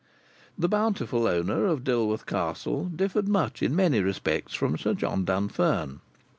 The bountiful owner of Dilworth Castle differed much in many respects from Sir John Dunfern.